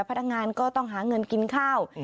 พนักงานก็ต้องหาเงินกินข้าว